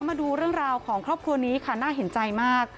มาดูเรื่องราวของครอบครัวนี้ค่ะน่าเห็นใจมาก